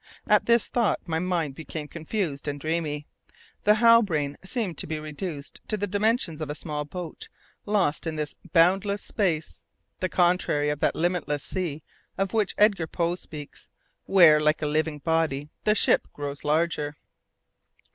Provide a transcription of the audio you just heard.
At this thought my mind became confused and dreamy. The Halbrane seemed to be reduced to the dimensions of a small boat lost in this boundless space the contrary of that limitless sea of which Edgar Poe speaks, where, like a living body, the ship grows larger.